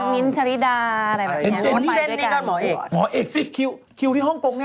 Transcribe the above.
เพราะว่าหนูสังเกตเห็นยังไง